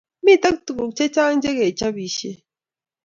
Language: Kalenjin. Mitei tuguk chechang chekechobisie